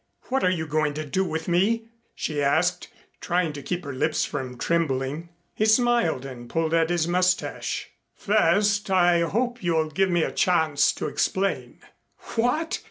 "What are you going to do with me?" she asked, trying to keep her lips from trembling. He smiled and pulled at his mustache. "First, I hope you'll give me a chance to explain." "What?"